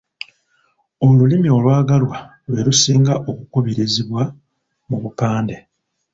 Olulimi olwagalwa lwe lusinga okukubirizibwa mu bupande.